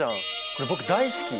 これ僕大好き。